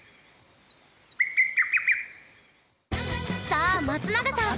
さあ松永さん